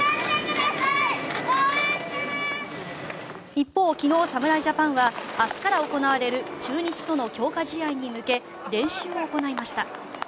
一方、昨日、侍ジャパンは明日から行われる中日との強化試合に向け練習を行いました。